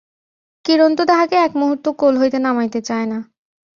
কিরণ তো তাহাকে এক মুহূর্ত কোল হইতে নামাইতে চায় না।